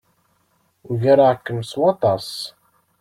Ugareɣ-kem s waṭas.